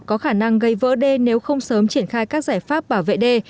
có khả năng gây vỡ đê nếu không sớm triển khai các giải pháp bảo vệ đê